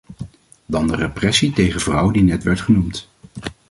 Dan de repressie tegen vrouwen die net werd genoemd.